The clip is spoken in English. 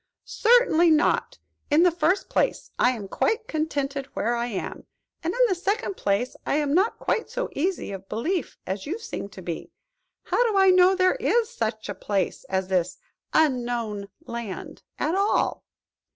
"Certainly not. In the first place, I am quite contented where I am; and, in the second place, I am not quite so easy of belief as you seem to be. How do I know there is such a place as this Unknown Land at all?"